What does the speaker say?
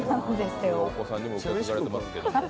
お子さんにも受け継がれてますけど。